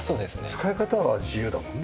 使い方は自由だもんね。